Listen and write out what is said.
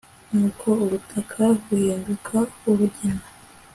nuko ubutaka buhinduka urugina